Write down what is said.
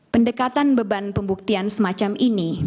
pendekatan beban pembuktian semacam ini